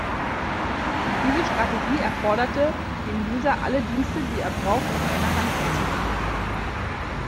Diese Strategie erforderte, dem User alle Dienste, die er „braucht“, aus einer Hand anzubieten.